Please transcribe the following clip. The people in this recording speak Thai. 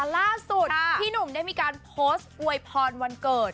ล่าสุดพี่หนุ่มได้มีการโพสต์อวยพรวันเกิด